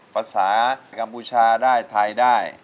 ภาษากัมพูชาได้ไทยได้